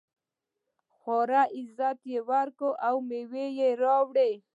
خورا عزت یې وکړ او مېوې یې راوړې.